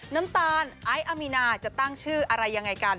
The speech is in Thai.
น้ำตาลไอ้อามีนาจะตั้งชื่ออะไรยังไงกัน